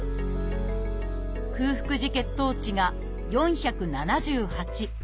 空腹時血糖値が４７８。